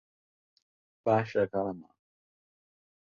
Va aixecar la mà.